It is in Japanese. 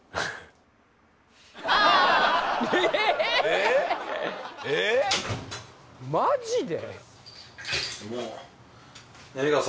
えーっえーっマジで？